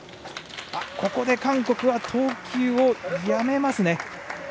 ここで韓国は投球をやめますね。